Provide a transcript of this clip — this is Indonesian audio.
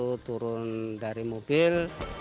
harus turun dari mobil